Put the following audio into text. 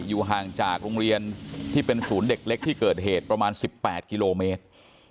อยู่ห่างจากโรงเรียนที่เป็นศูนย์เด็กเล็กที่เกิดเหตุประมาณ๑๘กิโลเมตร